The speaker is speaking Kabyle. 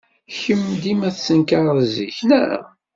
Kemm dima tettenkared zik, naɣ?